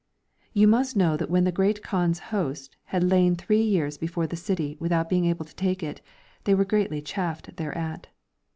You must know that when the Great Kaan's host had lain three years before the city without being able to take it, they were greatly chafed thereat.